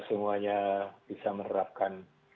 semuanya bisa menerapkan